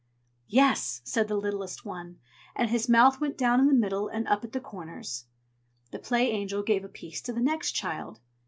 "Yes!" said the littlest one; and his mouth went down in the middle and up at the corners. The Play Angel gave a piece to the next child.